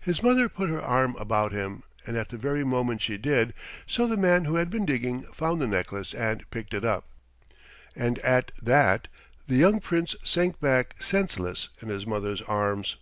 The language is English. His mother put her arm about him, and at the very moment she did so the man who had been digging found the necklace and picked it up, and at that the young Prince sank back senseless in his mother's arms.